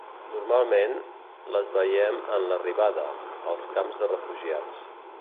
Normalment, les veiem en l’arribada, als camps de refugiats.